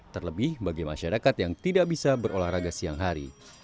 terlebih bagi masyarakat yang tidak bisa berolahraga malam